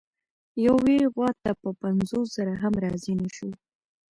یوې غوا ته په پنځوس زره هم راضي نه شو.